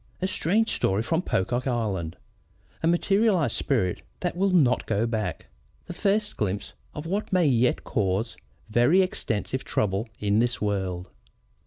A Strange Story from Pocock Island A Materialized Spirit that Will not Go back. The First Glimpse of what May yet Cause very Extensive Trouble in this World.